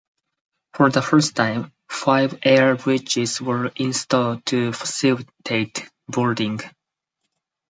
For the first time, five air bridges were installed to facilitate boarding.